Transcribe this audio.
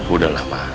udah lah ma